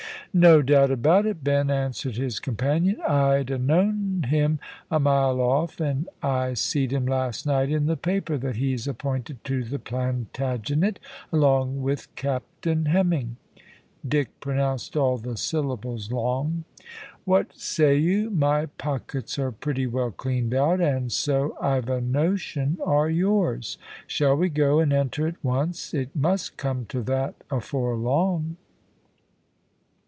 "No doubt about it, Ben," answered his companion, "I'd a known him a mile off, and I see'd last night in the paper that he's appointed to the Plantagenet along with Captain Hemming. (Dick pronounced all the syllables long.) What say you? my pockets are pretty well cleaned out, and so, I've a notion, are yours. Shall we go and enter at once? It must come to that afore long."